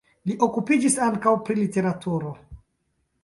Li okupiĝis ankaŭ pri literaturo.